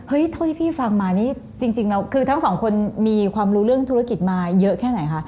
เท่าที่พี่ฟังมานี่จริงแล้วคือทั้งสองคนมีความรู้เรื่องธุรกิจมาเยอะแค่ไหนคะ